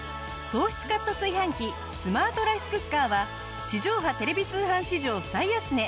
糖質カット炊飯器スマートライスクッカーは地上波テレビ通販史上最安値。